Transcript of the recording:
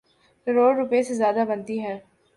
کروڑ روپے سے زیادہ بنتی ہے۔